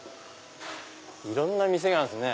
いろんな店があるんですね。